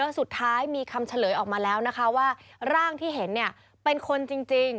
สุดท้ายมีคำเฉลยออกมาแล้วนะคะว่าร่างที่เห็นเนี่ยเป็นคนจริง